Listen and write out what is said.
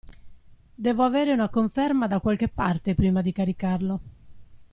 Devo avere una conferma da qualche parte prima di caricarlo.